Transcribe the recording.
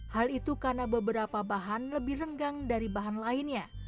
hal itu karena beberapa bahan lebih renggang dari bahan lainnya